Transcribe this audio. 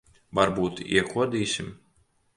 Varbūt iekodīsim?